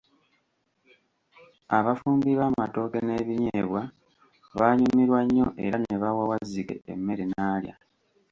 Abafumbi bamatooke nebinnyeebwa baanyumirwa nnyo era ne bawa Wazzike emmere nalya.